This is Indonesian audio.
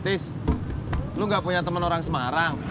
tis lu gak punya temen orang semarang